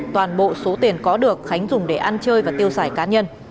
toàn bộ số tiền có được khánh dùng để ăn chơi và tiêu xài cá nhân